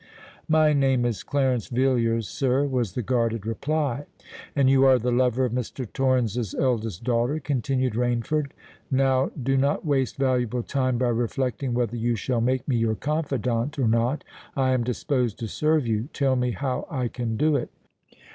"My name is Clarence Villiers, sir," was the guarded reply. "And you are the lover of Mr. Torrens's eldest daughter," continued Rainford. "Now do not waste valuable time by reflecting whether you shall make me your confidant, or not. I am disposed to serve you: tell me how I can do it."